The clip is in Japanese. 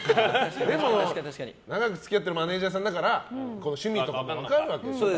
でも、長く付き合っているマネジャーさんだから趣味とかも分かるわけでしょ。